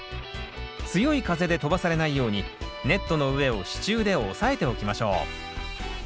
強い風で飛ばされないようにネットの上を支柱で押さえておきましょう。